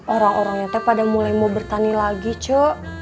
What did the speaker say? orang orang itu pada mulai mau bertani lagi cu